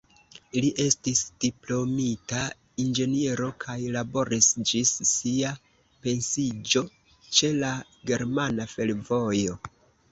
Li estis diplomita inĝeniero kaj laboris ĝis sia pensiiĝo ĉe la Germana Fervojo.